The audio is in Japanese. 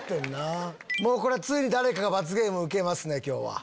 ついに誰かが罰ゲーム受けますね今日は。